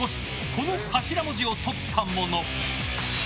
この頭文字をとったもの。